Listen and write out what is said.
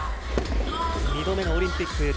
２度目のオリンピック。